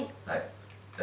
はい。